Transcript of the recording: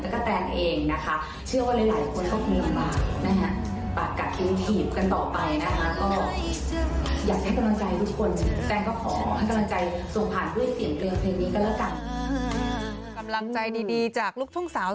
กำลังใจดีจากลูกทุ่งสาร